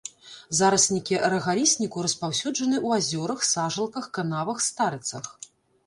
Зараснікі рагалісніку распаўсюджаны ў азёрах, сажалках, канавах, старыцах.